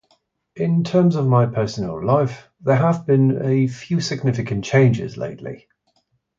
In terms of my personal life, there have been a few significant changes lately.